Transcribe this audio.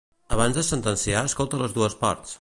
Abans de sentenciar escolta les dues parts.